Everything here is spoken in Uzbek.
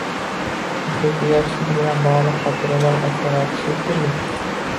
Shunchaki yoshlik bilan bog‘liq xotiralar asorati shekilli.